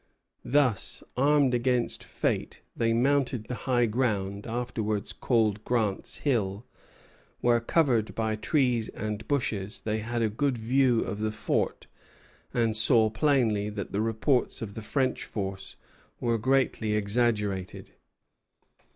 Thus armed against fate, they mounted the high ground afterwards called Grant's Hill, where, covered by trees and bushes, they had a good view of the fort, and saw plainly that the reports of the French force were greatly exaggerated.